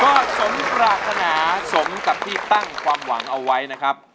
ก็สมปรารถนาสมกับที่ตั้งความหวังเอาไว้นะครับ